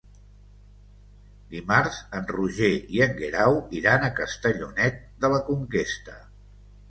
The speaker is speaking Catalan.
Dimarts en Roger i en Guerau iran a Castellonet de la Conquesta.